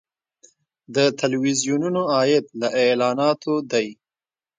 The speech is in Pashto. د تلویزیونونو عاید له اعلاناتو دی